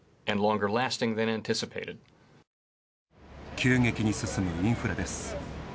急激に進むインフレです。